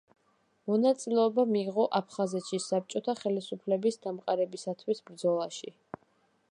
მონაწილეობა მიიღო აფხაზეთში საბჭოთა ხელისუფლების დამყარებისათვის ბრძოლაში.